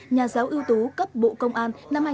nhà giáo ưu tú cấp bộ công an năm hai nghìn hai mươi ba